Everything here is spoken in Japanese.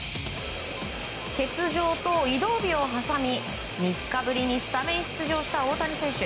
欠場と移動日を挟み３日ぶりにスタメン出場した大谷選手。